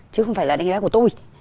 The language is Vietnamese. chứ không phải là đánh giá của tôi